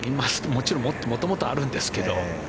もちろん元々あるんですけど。